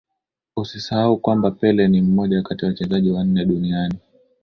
Usisahau kwamba Pele ni mmoja kati ya wachezaji wanne duniani